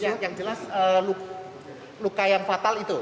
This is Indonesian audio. ya yang jelas luka yang fatal itu